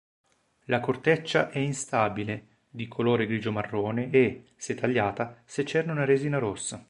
La corteccia è instabile, di colore grigio-marrone e, se tagliata, secerne una resina rossa.